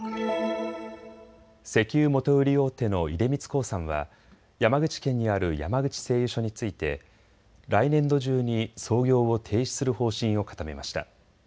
石油元売り大手の出光興産は山口県にある山口製油所について来年度中に創業を停止する方針を固めました。